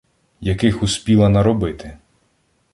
Яких успіла наробити